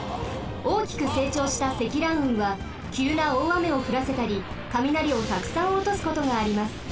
おおきくせいちょうした積乱雲はきゅうなおおあめをふらせたりかみなりをたくさんおとすことがあります。